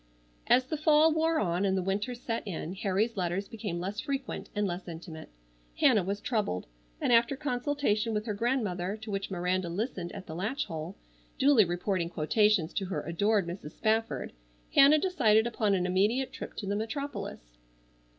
As the Fall wore on and the winter set in Harry's letters became less frequent and less intimate. Hannah was troubled, and after consultation with her grandmother, to which Miranda listened at the latch hole, duly reporting quotations to her adored Mrs. Spafford, Hannah decided upon an immediate trip to the metropolis.